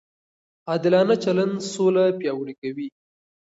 عادلانه چلند سوله پیاوړې کوي.